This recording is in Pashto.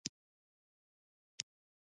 احمد بام ته خوت؛ یو وار را کرکنډه شو.